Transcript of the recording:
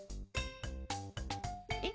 えっ？